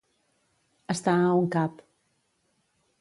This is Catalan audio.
Estar a un cap.